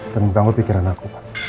tentang pikiran aku